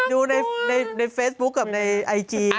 ดูในเฟซบุ๊คกับในไอจี